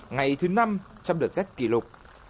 ngày thứ năm trong đợt rét kỷ lục